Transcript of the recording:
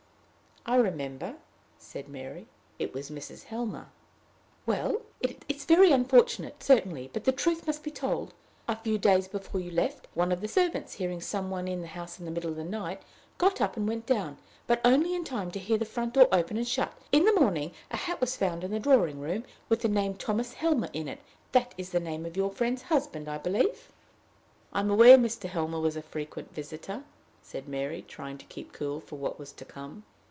"I remember," said Mary. "It was Mrs. Helmer." "Well?" "It is very unfortunate, certainly; but the truth must be told: a few days before you left, one of the servants, hearing some one in the house in the middle of the night, got up and went down, but only in time to hear the front door open and shut. In the morning a hat was found in the drawing room, with the name Thomas Helmer in it: that is the name of your friend's husband, I believe?" "I am aware Mr. Helmer was a frequent visitor," said Mary, trying to keep cool for what was to come.